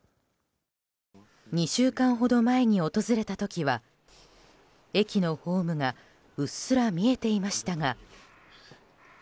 ２週間ほど前に訪れた時は駅のホームがうっすら見えていましたが。